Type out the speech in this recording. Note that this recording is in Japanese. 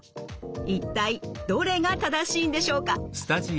一体どれが正しいんでしょうか？